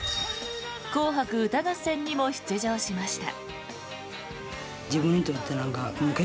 「紅白歌合戦」にも出場しました。